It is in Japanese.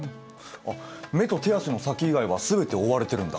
目と手足の先以外は全て覆われてるんだ。